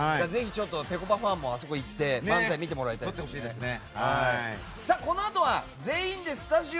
では、ぺこぱファンもぜひあそこへ行って漫才を見てもらいたいですね。